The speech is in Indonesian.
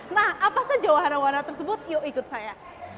nah apa saja wahana wahana tersebut yuk ikut saya